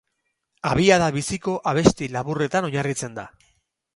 Abiada biziko abesti laburretan oinarritzen da.